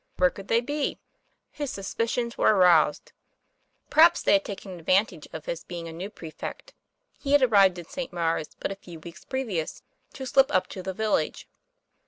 Where could they be ? His suspicions were aroused. Perhaps they had 1 88 TOM PLA YFAIR. taken advantage of his being a new prefect he arrived in St. Maure's but a few weeks previous to slip up to the village.